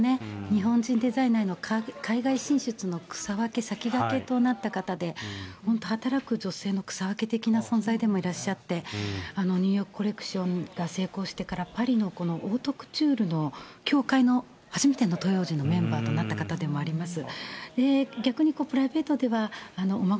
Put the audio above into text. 日本人デザイナーの海外進出の草分け、先駆けとなった方で、本当、働く女性の草分け的な存在でもいらっしゃって、ニューヨークコレクションが成功してから、パリのこの、オートクチュールの協会の初めての東洋人のメンバーとなった方でもあります。